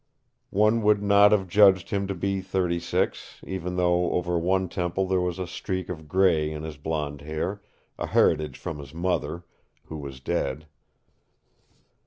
One would not have judged him to be thirty six, even though over one temple there was a streak of gray in his blond hair a heritage from his mother, who was dead.